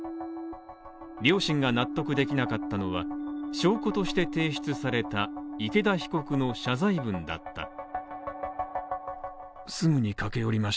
両親が納得できなかったのは、証拠として提出された池田被告の謝罪文だった。